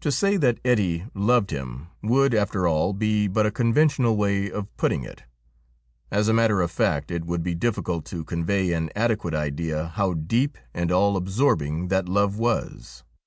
To say that Ettie loved him would, after all, be but a conventional way of putting it. As a matter of fact, it would be difficult to convey an adequate idea how deep and all absorbing that love was.